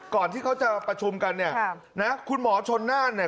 ก่อนที่เขาจะประชุมกันเนี่ยนะคุณหมอชนน่านเนี่ย